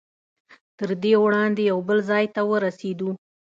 تر دې وړاندې یو بل ځای ته ورسېدو.